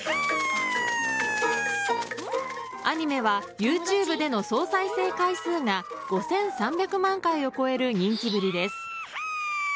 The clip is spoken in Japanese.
アニメはＹｏｕＴｕｂｅでの総再生回数が５３００万回を超える人気ぶりです。